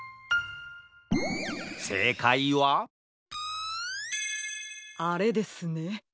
せいかいはあれですね。